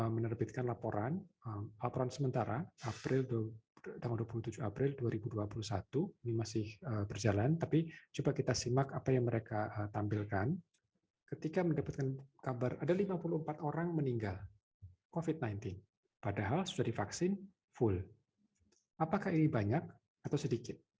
pertanyaannya adalah bagaimana dengan yang sama atau sedikit